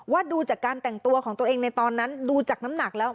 ดูจากการแต่งตัวของตัวเองในตอนนั้นดูจากน้ำหนักแล้ว